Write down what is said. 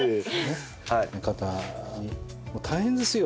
方にもう大変ですよ！